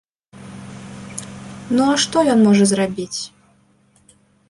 Ну, а што ён можа зрабіць?